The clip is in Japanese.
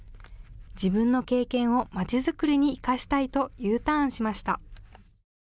自分の経験をまちづくりに生かしたいとＵターンしました。